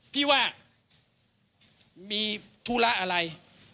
พี่ว่ามีธุระอะไร